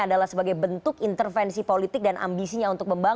adalah sebagai bentuk intervensi politik dan ambisinya untuk membangun